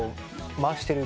「回してる」